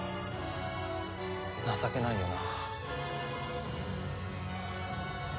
情けないよな。